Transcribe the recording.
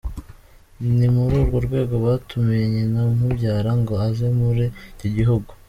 Ni muri urwo rwego batumiye nyina umubyara ngo aze muri iki gihugu.